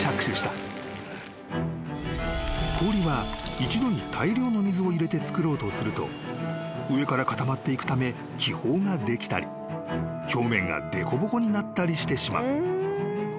［氷は一度に大量の水を入れて作ろうとすると上から固まっていくため気泡ができたり表面が凸凹になったりしてしまう］